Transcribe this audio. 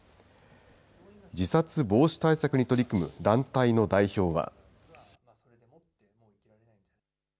自殺防止対策に取り組む団体の代表は。